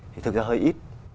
thì thực ra hơi ít